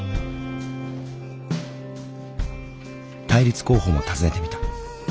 対立候補も訪ねてみた。